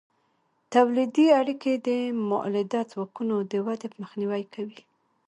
تولیدي اړیکې د مؤلده ځواکونو د ودې مخنیوی کوي.